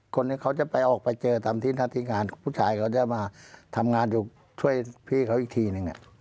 คนนี้เขาจะไปออกไปเจอตามที่หน้าที่งานผู้ชายเขาจะมาทำงานอยู่ช่วยพี่เขาอีกทีนึง